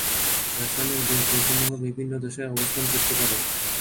রাসায়নিক যৌগ সমূহ বিভিন্ন দশায় অবস্থান করতে পারে।